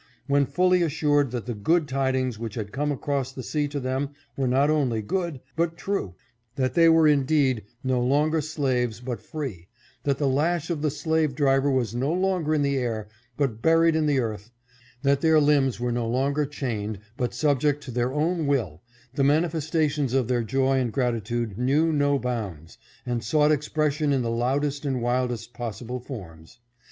When fully as sured that the good tidings which had come across the sea to them were not only good, but true ; that they were in deed no longer slaves, but free ; that the lash of the slave driver was no longer in the air, but buried in the earth ; that their limbs were no longer chained, but subject to their own will, the manifestations of their joy and grati tude knew no bounds, and sought expression in the loud est and wildest possible forms.